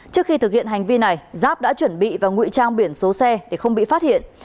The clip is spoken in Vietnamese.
trước khi thực hiện hành vi này giáp đã chuẩn bị và ngụy trang biển số xe để không bị phát hiện